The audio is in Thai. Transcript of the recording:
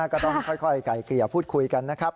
ก็ต้องค่อยไก่เกลี่ยพูดคุยกันนะครับ